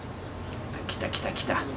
来た来た来たって。